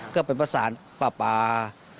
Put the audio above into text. ก็เป็นประสานปลาปลา